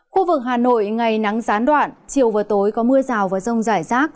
khu vực hà nội ngày nắng gián đoạn chiều và tối có mưa rào và rông rải rác